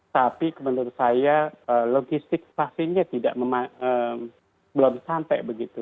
tapi menurut saya logistik vaksinnya belum sampai begitu